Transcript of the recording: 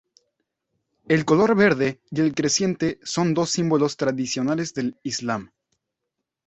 El color verde y el creciente son dos símbolos tradicionales del Islam.